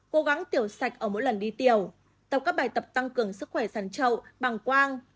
cố gắng tiểu sạch ở mỗi lần đi tiểu tập các bài tập tăng cường sức khỏe sàn trậu bằng quang